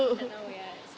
nggak tahu ya